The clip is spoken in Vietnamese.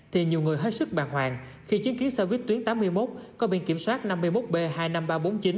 thì nhiều người hết sức bàng hoàng khi chứng kiến xe buýt tuyến tám mươi một có biển kiểm soát năm mươi một b hai mươi năm nghìn ba trăm bốn mươi chín